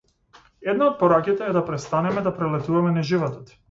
Една од пораките е да престанеме да прелетуваме низ животот.